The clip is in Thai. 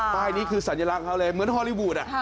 ป้ายนี้คือสัญลักษณ์เขาเลยเหมือนฮอลลี่วูด